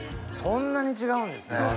そんなに違うんですね。